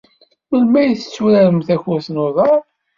Melmi ay tturaren takurt n uḍar?